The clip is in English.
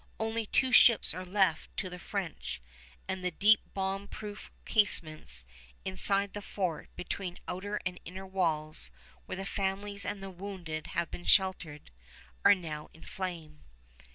Only two ships are left to the French, and the deep bomb proof casemates inside the fort between outer and inner walls, where the families and the wounded have been sheltered, are now in flame.